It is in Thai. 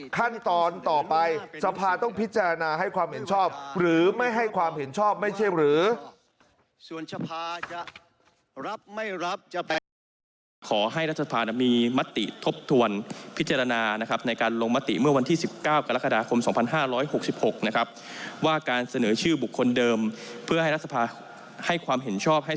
ขั้นตอนต่อไปรัฐธรรพาต้องพิจารณาให้ความเห็นชอบหรือไม่ให้ความเห็นชอบ